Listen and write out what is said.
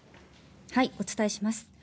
お伝えします。